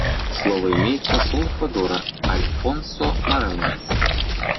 Слово имеет посол Эквадора Альфонсо Моралес.